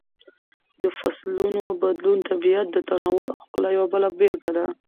د فصلونو بدلون د طبیعت د تنوع او ښکلا یوه بله بېلګه ده.